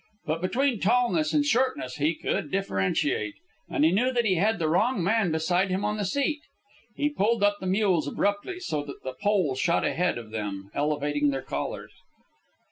But between tallness and shortness he could differentiate, and he knew that he had the wrong man beside him on the seat. He pulled up the mules abruptly, so that the pole shot ahead of them, elevating their collars.